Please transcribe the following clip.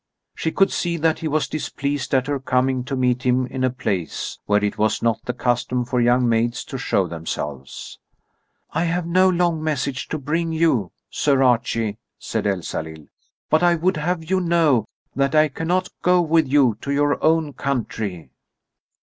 She could see that he was displeased at her coming to meet him in a place where it was not the custom for young maids to show themselves. "I have no long message to bring you, Sir Archie," said Elsalill; "but I would have you know that I cannot go with you to your own country."